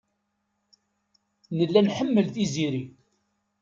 Nella nḥemmel Tiziri.